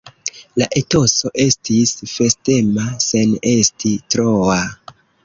La etoso estis festema, sen esti troa.